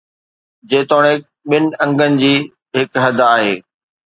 جيتوڻيڪ ٻن انگن جي هڪ حد آهي.